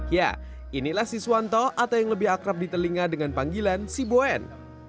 ya inilah siswanto atau yang lebih akrab di telinga dengan panggilan si boen